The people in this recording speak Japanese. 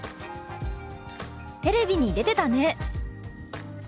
「テレビに出てたね」。